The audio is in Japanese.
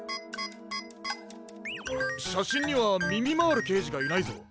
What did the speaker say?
しゃしんにはみみまーるけいじがいないぞ。